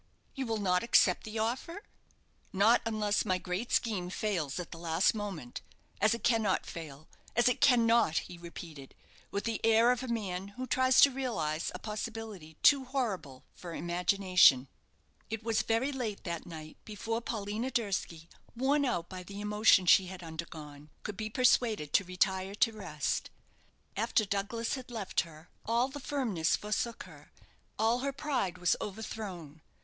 "You will not accept the offer?" "Not unless my great scheme fails at the last moment as it cannot fail as it cannot!" he repeated, with the air of a man who tries to realize a possibility too horrible for imagination. It was very late that night before Paulina Durski, worn out by the emotion she had undergone, could be persuaded to retire to rest. After Douglas had left her, all the firmness forsook her, all her pride was overthrown.